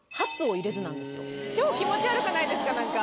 超気持ち悪くないですか何か。